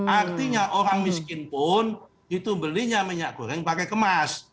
artinya orang miskin pun itu belinya minyak goreng pakai kemas